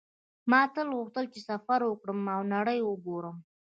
ما تل غوښتل چې سفر وکړم او نړۍ وګورم